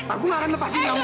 aku gak akan lepasin kamu